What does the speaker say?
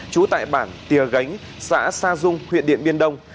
trú tại bản tìa gánh xã sa dung huyện điện biên đông